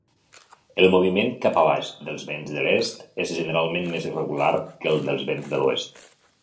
El moviment cap a baix dels vents de l'est és generalment més irregular que el dels vents de l'oest.